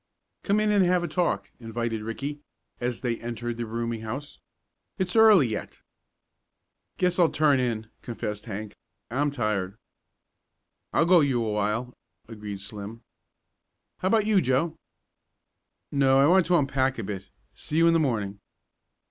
"Come in and have a talk," invited Ricky, as they entered the rooming house. "It's early yet." "Guess I'll turn in," confessed Hank. "I'm tired." "I'll go you for awhile," agreed Slim. "How about you, Joe?" "No, I want to unpack a bit. See you in the morning."